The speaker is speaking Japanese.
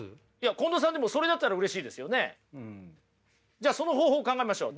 じゃあその方法を考えましょう。